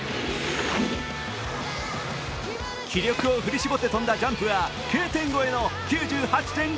気力を振り絞って飛んだジャンプはＫ点越えの９８．５ｍ。